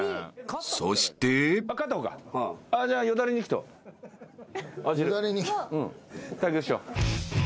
［そして］対決しよう。